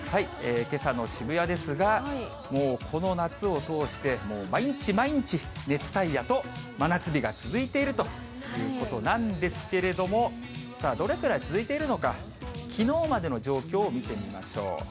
けさの渋谷ですが、もうこの夏を通して、もう毎日毎日、熱帯夜と真夏日が続いているということなんですけれども、さあ、どれくらい続いているのか、きのうまでの状況を見てみましょう。